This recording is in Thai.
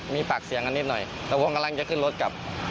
มีปากเสียงกันนิดหน่อยแต่ผมกำลังจะขึ้นรถกลับ